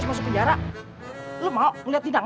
ini kalau ada anak gue doang